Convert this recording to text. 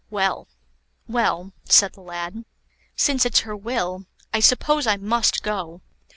"Well, well," said the lad, "since it's her will, I suppose I must go."